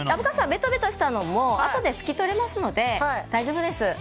虻川さん、べとべとしたのもあとで拭き取れますので大丈夫です。